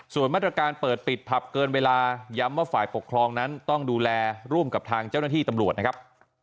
ส่วนมาตรการเปิดปิดผับเกินเวลาย้ำว่าฝ่ายปกครองนั้นต้องดูแลร่วมกับทางเจ้าหน้าที่ตำรวจนะครับ